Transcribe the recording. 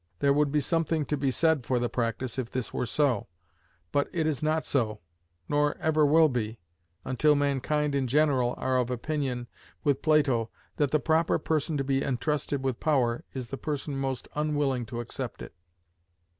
There would be something to be said for the practice if this were so; but it is not so, nor ever will be, until mankind in general are of opinion, with Plato, that the proper person to be intrusted with power is the person most unwilling to accept it.